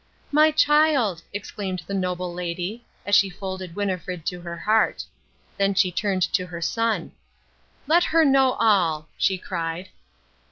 "My child!" exclaimed the noble lady, as she folded Winnifred to her heart. Then she turned to her son. "Let her know all!" she cried.